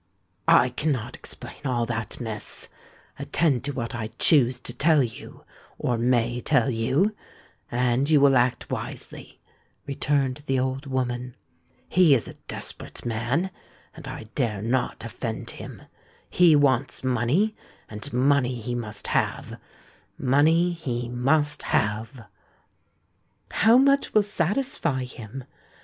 "I cannot explain all that, Miss: attend to what I choose to tell you—or may tell you—and you will act wisely," returned the old woman. "He is a desperate man—and I dare not offend him. He wants money; and money he must have—money he must have!" "How much will satisfy him?"